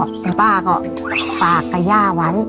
คุณป้าก็ฝากกับย่าไว้